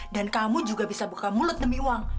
dan kamu juga bisa buka mulut demi uang